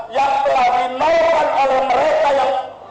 yang telah dinaikan oleh mereka yang